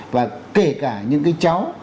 và kể cả những cái cháu